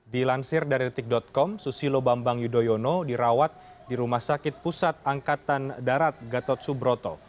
dilansir dari detik com susilo bambang yudhoyono dirawat di rumah sakit pusat angkatan darat gatot subroto